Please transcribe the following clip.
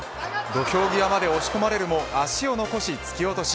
土俵際まで押し込まれるも足を残し突き落とし。